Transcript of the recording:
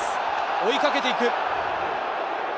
追いかけていく。